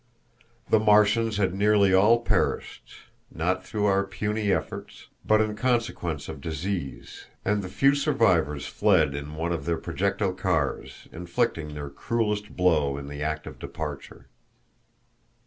The Martians had nearly all perished, not through our puny efforts, but in consequence of disease, and the few survivors fled in one of their projectile cars, inflicting their cruelest blow in the act of departure.